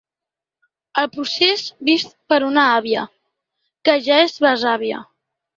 El procès vist per una àvia… que ja és besàvia.